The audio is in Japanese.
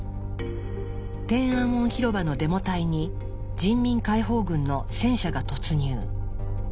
天安門広場のデモ隊に人民解放軍の戦車が突入。